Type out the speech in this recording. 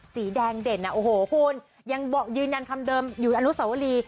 สีแดงเด่นอ่ะโอ้โหคุณยังบอกยืนยันคำเดิมอยู่อนุสวรี